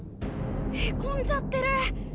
へこんじゃってる！